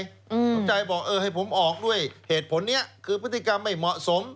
สมใจบอกเออให้ผมออกด้วยเหตุผลนี้คือพฤติกรรมไม่เหมาะสม